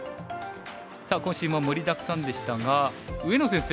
さあ今週も盛りだくさんでしたが上野先生。